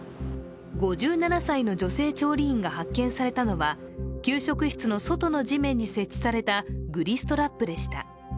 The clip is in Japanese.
５７歳の女性調理員が発見されたのは給食室の外の地面に設置されたグリストラップでした。